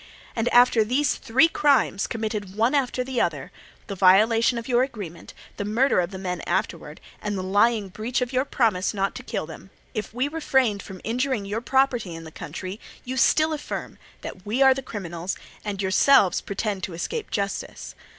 And after these three crimes committed one after the other—the violation of your agreement, the murder of the men afterwards, and the lying breach of your promise not to kill them, if we refrained from injuring your property in the country—you still affirm that we are the criminals and yourselves pretend to escape justice.